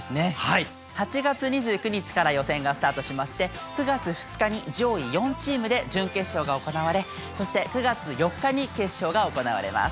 ８月２９日から予選がスタートしまして９月２日に上位４チームで準決勝が行われそして９月４日に決勝が行われます。